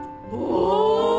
お！